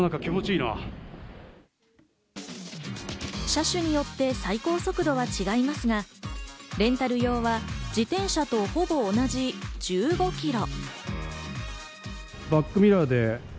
車種によって最高速度は違いますが、レンタル用は自転車とほぼ同じ１５キロ。